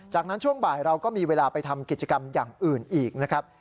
จากนั้นช่วงบ่ายเราก็มีเวลาไปทำกิจกรรมอย่างอื่นอีกนะครับ